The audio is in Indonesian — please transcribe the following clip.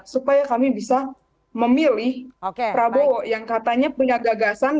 supaya kami bisa memilih prabowo yang katanya punya gagasan